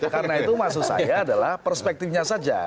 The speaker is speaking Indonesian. karena itu maksud saya adalah perspektifnya saja